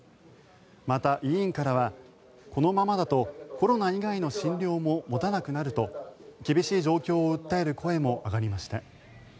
また、委員からはこのままだとコロナ以外の診療も持たなくなると厳しい状況を訴える声も上がりました。